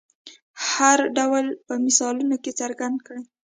هر ډول یې په مثالونو کې څرګند کړئ.